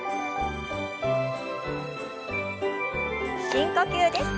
深呼吸です。